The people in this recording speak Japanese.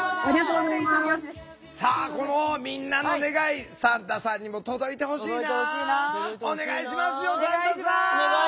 みんなの願い、サンタさんにも届いてほしいな。